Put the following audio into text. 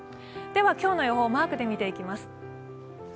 今日の予報をマークで見ていきます。